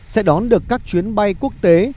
sẽ đón được các chuyến bay quốc tế